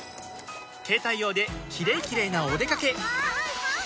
携帯用で「キレイキレイ」なおでかけ